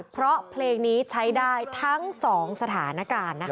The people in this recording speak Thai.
เพราะเพลงนี้ใช้ได้ทั้ง๒สถานการณ์นะคะ